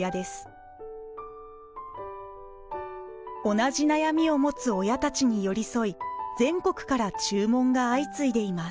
同じ悩みを持つ親たちに寄り添い全国から注文が相次いでいます。